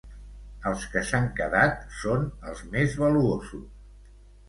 Els que s'han quedat són els més valuosos.